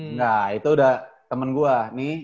enggak itu udah temen gue nih